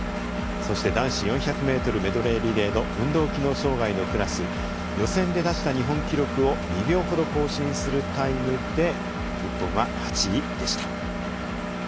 そして男子４００ｍメドレーリレーの運動機能障がいのクラス予選で出した日本記録を２秒ほど更新するタイムで日本は８位でした。